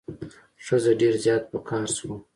ښځه ډیر زیات په قهر شوه.